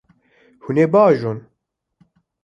Hûn ê biajon.